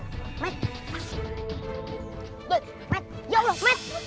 met ya allah met